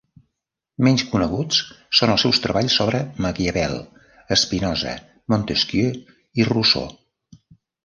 Menys coneguts són els seus treballs sobre Maquiavel, Spinoza, Montesquieu i Rousseau.